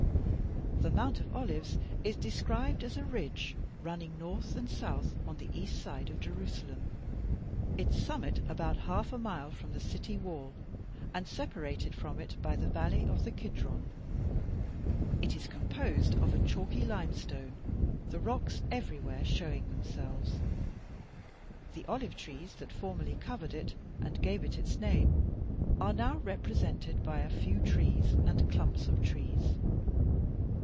The Mount of Olives is described as 'a ridge running north and south on the east side of Jerusalem, its summit about half a mile from the city wall and separated from it by the valley of the Kidron. It is composed of a chalky limestone, the rocks everywhere showing themselves. The olive trees that formerly covered it and gave it its name are now represented by a few trees and clumps of trees.